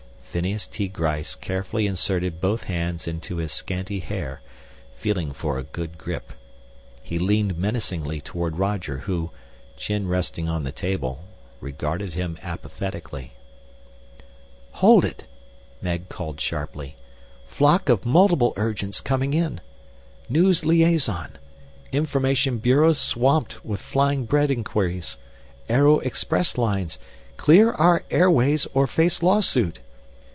Phineas T. Gryce carefully inserted both hands into his scanty hair, feeling for a good grip. He leaned menacingly toward Roger who, chin resting on the table, regarded him apathetically. "Hold it!" Meg called sharply. "Flock of multiple urgents coming in. News Liaison: information bureaus swamped with flying bread inquiries. Aero expresslines: Clear our airways or face law suit.